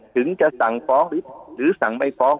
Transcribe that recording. ถึงจะสั่งฟ้องหรือสั่งไม่ฟ้อง